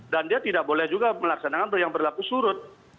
dan dia tidak boleh juga melaksanakan yang berlaku surut